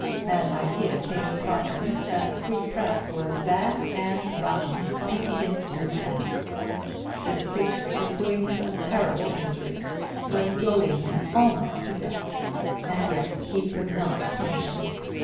An idea came across him that a free press was bad and rotten from the beginning to the end. This creature was doing him a terrible injury, was goading him almost to death, and yet he could not punish him.